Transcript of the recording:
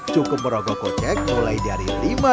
cukup merogol kocek mulai dari lima